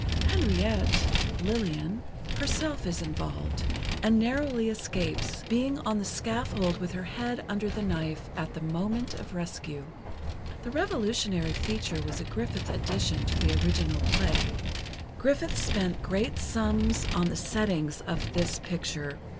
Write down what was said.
Henriette (Lillian) herself is involved, and narrowly escapes—being on the scaffold with her head under the knife at the moment of rescue. The revolutionary feature was a Griffith addition to the original play. Griffith spent great sums on the settings of this picture.